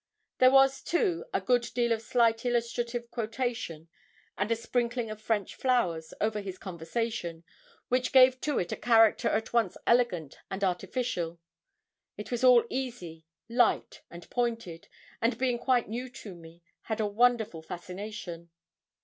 There was, too, a good deal of slight illustrative quotation, and a sprinkling of French flowers, over his conversation, which gave to it a character at once elegant and artificial. It was all easy, light, and pointed, and being quite new to me, had a wonderful fascination.